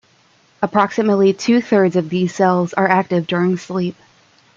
Approximately two thirds of these cells are active during sleep.